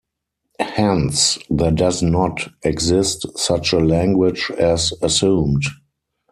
Hence, there does not exist such a language as assumed.